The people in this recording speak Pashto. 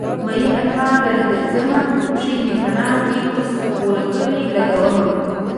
مينه تا لره درځمه : پښې مې تڼاکې اوس ورغوي لګومه